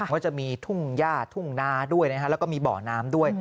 ว่าจะมีทุ่งย่าทุ่งนาด้วยแล้วก็มีบ่อน้ำด้วย